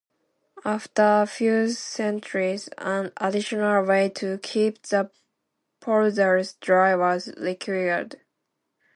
After a few centuries, an additional way to keep the polders dry was required.